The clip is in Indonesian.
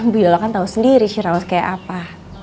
bu yola kan tau sendiri syirawas kayak apa